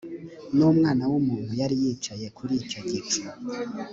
n umwana w umuntu yari yicaye kuri icyo gicu